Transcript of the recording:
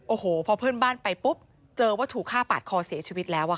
โอ้โหพอเพื่อนบ้านไปปุ๊บเจอว่าถูกฆ่าปาดคอเสียชีวิตแล้ว